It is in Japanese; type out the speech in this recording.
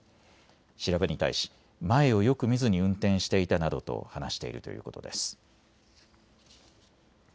調べに対し前をよく見ずに運転していたなどと話しているということです。